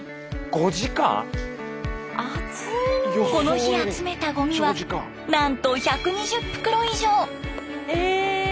この日集めたゴミはなんと１２０袋以上！